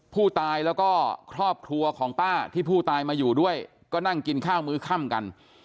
ผู้ตายแล้วก็ครอบครัวของป้าที่ผู้ตายมาอยู่ด้วยก็นั่งกินข้าวมื้อค่ำกัน